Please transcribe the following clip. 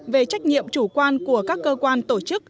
về trách nhiệm chủ quan của các cơ quan tổ chức